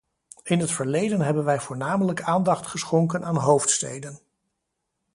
In het verleden hebben wij voornamelijk aandacht geschonken aan hoofdsteden.